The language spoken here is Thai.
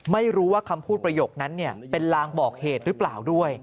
ไม่รู้ว่าคำพูดประโยคนั้นเป็นลางบอกเหตุหรือเปล่าด้วย